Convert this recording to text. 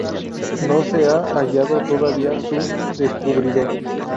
No se ha hallado, todavía, su descubridor.